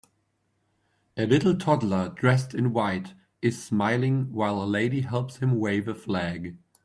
A little toddler dressed in white is smiling while a lady helps him wave a flag.